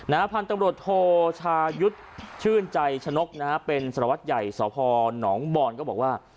นาพันธ์ตำรวจโทชายุทธ์ชื่นใจชนกเป็นสลวัสดิ์ใหญ่สภหนองบอลก็บอกว่า